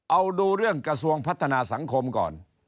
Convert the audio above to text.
เอาดูเรื่องกระทรวงพัฒนาสังคมก่อน